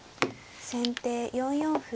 先手４四歩。